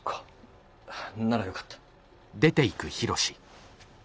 ならよかった。